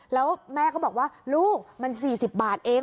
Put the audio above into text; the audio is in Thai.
แล้วแม่ก็บอกว่าลูกมัน๔๐บาทเอง